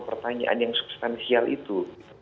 pertanyaan yang substansial itu